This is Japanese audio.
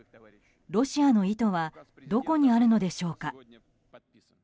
ロシアの意図はどこにあるのでしょうか。